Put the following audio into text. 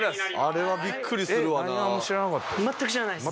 あれはビックリするわな。